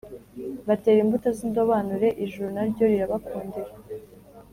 batera imbuto z’indobanure, ijuru na ryo rirabakundira